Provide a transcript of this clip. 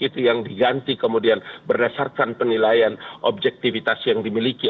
itu yang diganti kemudian berdasarkan penilaian objektivitas yang dimiliki